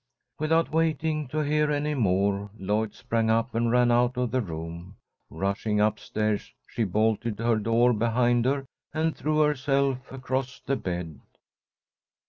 Without waiting to hear any more, Lloyd sprang up and ran out of the room. Rushing up stairs, she bolted her door behind her, and threw herself across the bed.